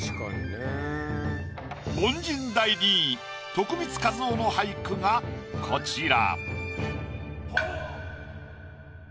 凡人第３位徳光和夫の俳句がこちら。